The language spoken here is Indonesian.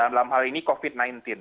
dalam hal ini covid sembilan belas